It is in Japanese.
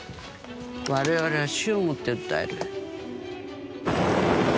我々は死をもって訴える。